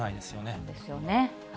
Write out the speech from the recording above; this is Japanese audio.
そうですよね。